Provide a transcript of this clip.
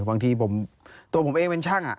บางทีตัวผมเองเป็นช่าง